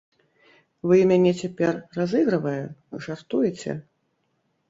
Вы мяне цяпер разыгрывае, жартуеце?